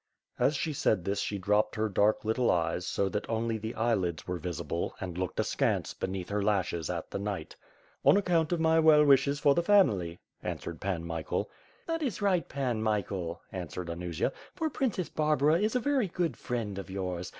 As she said this she dropped her dark little eyes so that only the eyelids were visible and looked askance beneath her lashes at the knight. "On account of my well wishes for the family," answered Pan Michael. "That is right. Pan Michael," answered Anusia, "for Prin cess Barbara is a very good friend of yours.